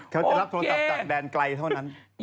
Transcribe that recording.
เขาจะรับโทรศัพท์จากแดนไกลเท่านั้น